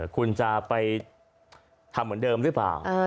คุณจะไปทำเหมือนเดิมหรือเปล่า